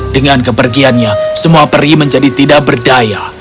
dengan kepergiannya semua peri menjadi tidak berdaya